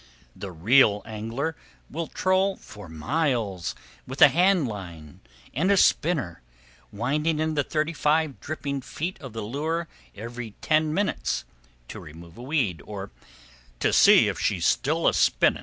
The real angler will troll for miles with a hand line and a spinner, winding in the thirty five dripping feet of [Page 3] the lure every ten minutes, to remove a weed, or "to see if she's still a spinnin'."